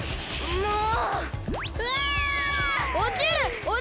もう！